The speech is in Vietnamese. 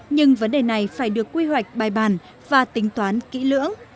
nhưng vấn đề này phải được quy hoạch bài bàn và tính toán kỹ lưỡng